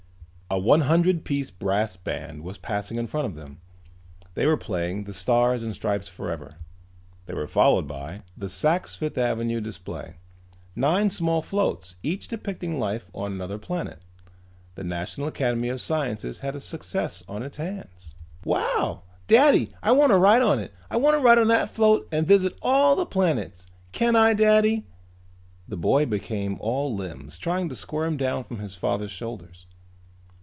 A one hundred piece brass band was passing in front of them. They were playing "The Stars and Stripes Forever." They were followed by the Sak's Fifth Avenue display; nine small floats, each depicting life on another planet. The National Academy of Sciences had a success on its hands. "Wow! Daddy, I wanna ride on it! I wanna ride on that float and visit all those planets! Can I, Daddy!" The boy became all limbs trying to squirm down from his father's shoulders.